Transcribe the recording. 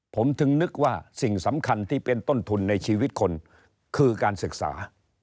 ผมถึงนึกว่าสิ่งสำคัญที่เป็นต้นทุนในชีวิตคนคือการศึกษา